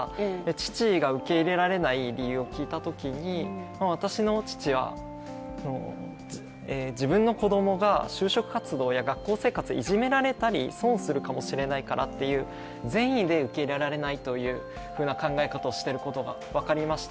父が受け入れられない理由を聞いたときに私の父は、自分の子供が就職活動や学校生活でいじめられたり損するかもしれないからっていう善意で受け入れられないという考え方をしていることが分かりました。